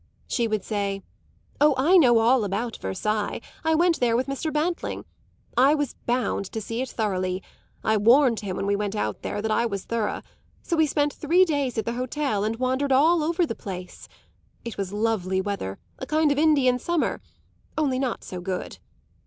She would say: "Oh, I know all about Versailles; I went there with Mr. Bantling. I was bound to see it thoroughly I warned him when we went out there that I was thorough: so we spent three days at the hotel and wandered all over the place. It was lovely weather a kind of Indian summer, only not so good.